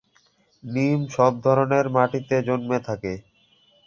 নিম সব ধরনের মাটিতে জন্মে থাকে।